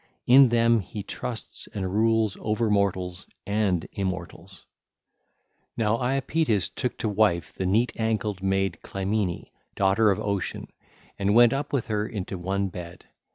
In them he trusts and rules over mortals and immortals. (ll. 507 543) Now Iapetus took to wife the neat ankled mad Clymene, daughter of Ocean, and went up with her into one bed.